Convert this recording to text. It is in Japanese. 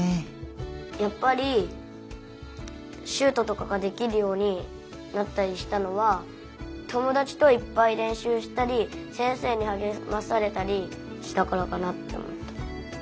やっぱりシュートとかができるようになったりしたのは友だちといっぱいれんしゅうしたり先生にはげまされたりしたからかなっておもった。